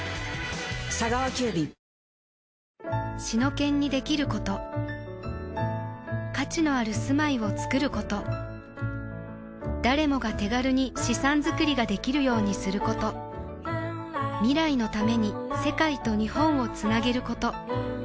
シノケンにできること価値のある住まいをつくること誰もが手軽に資産づくりができるようにすること未来のために世界と日本をつなげること